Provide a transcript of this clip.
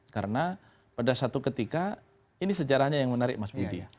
karena pada satu ketika ini sejarahnya yang menarik mas budi